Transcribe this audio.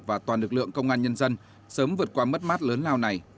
và toàn lực lượng công an nhân dân sớm vượt qua mất mát lớn lao này